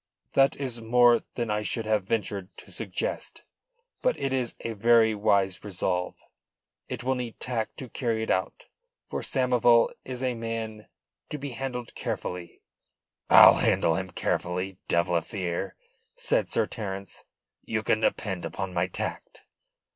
"That is more than I should have ventured to suggest. But it is a very wise resolve. It will need tact to carry it out, for Samoval is a man to be handled carefully." "I'll handle him carefully, devil a fear," said Sir Terence. "You can depend upon my tact."